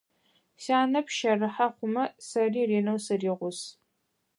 Сянэ пщэрыхьэ хъумэ, сэри ренэу сыригъус.